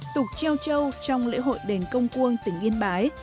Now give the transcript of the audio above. tục treo trâu trong lễ hội đền công quân tỉnh yên bái